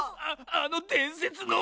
あのでんせつの⁉